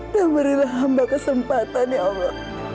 dan berilah hamba kesempatan ya allah